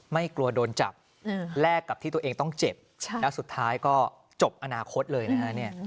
ไม่กลัวโดนจับแลกกับที่ตัวเองต้องเจ็บแล้วสุดท้ายก็จบอนาคตเลยนะฮะ